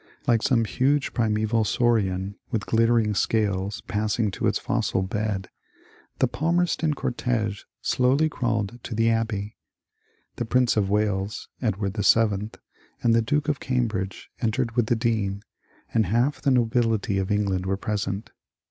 Like some huge primeval saurian with glittering scales 86 MONCURE DANIEL CONWAY passing to its fossil bed, the Palmerston cortege slowly crawled to the Abbey. The Prince of Wales (Edward VII) and the Duke of Cambridge entered with the Dean, and half the *^ nobility" of England were present.